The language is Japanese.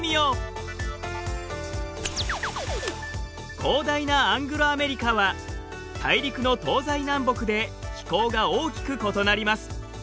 広大なアングロアメリカは大陸の東西南北で気候が大きく異なります。